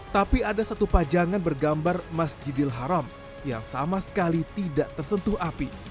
tapi ada satu pajangan bergambar masjidil haram yang sama sekali tidak tersentuh api